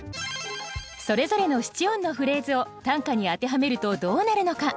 それぞれの七音のフレーズを短歌に当てはめるとどうなるのか。